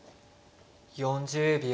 ４０秒。